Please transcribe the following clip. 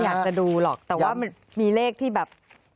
อยากจะดูหรอกแต่ว่ามันมีเลขที่แบบ